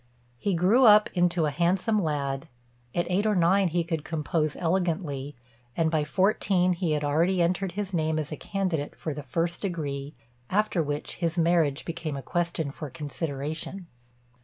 He grew up into a handsome lad; at eight or nine he could compose elegantly, and by fourteen he had already entered his name as a candidate for the first degree, after which his marriage became a question for consideration.